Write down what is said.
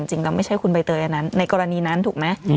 จริงแล้วไม่ใช่คุณใบเตยอันนั้นในกรณีนั้นถูกไหม